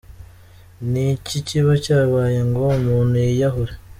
Ni iki kiba cyabaye ngo umuntu yiyahure?.